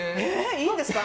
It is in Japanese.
いいんですか？